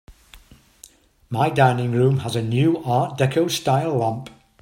My dining room has a new art deco style lamp.